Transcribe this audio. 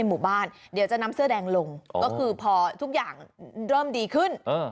หมู่บ้านเดี๋ยวจะนำเสื้อแดงลงก็คือพอทุกอย่างเริ่มดีขึ้น